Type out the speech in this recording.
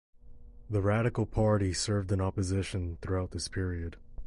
The Radical Party served in opposition throughout this period.